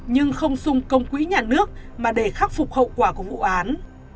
nhưng không sung công quỹ nhà nước mà để khắc phục hậu quả của vụ án